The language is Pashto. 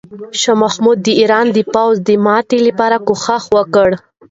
شاه محمود د ایران د پوځ د ماتې لپاره کوښښ وکړ.